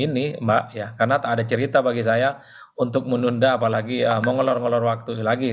jadi dihitung ini mbak karena tak ada cerita bagi saya untuk menunda apalagi mengelor ngelor waktu lagi